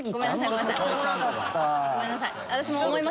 ごめんなさい。